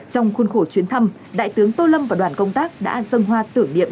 trong khuôn khổ chuyến thăm đại tướng tô lâm và đoàn công tác đã dâng hoa tưởng niệm